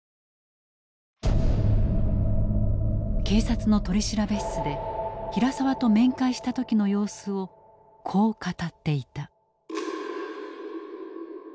警察の取調室で平沢と面会した時の様子をこう語っていた。